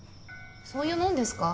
そういうもんですか？